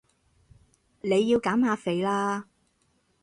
你要減下肥啦